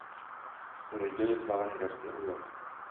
Күңелдә йоклаган дәртне уятыр.